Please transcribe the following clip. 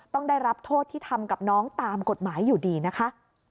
ต้องได้รับโทษที่ทำกับน้องตามกฎหมายอยู่ดีนะคะ